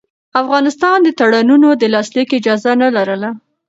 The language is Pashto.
افغانستان د تړونونو د لاسلیک اجازه نه لرله.